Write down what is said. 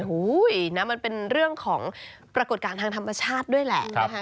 โอ้โหนะมันเป็นเรื่องของปรากฏการณ์ทางธรรมชาติด้วยแหละนะคะ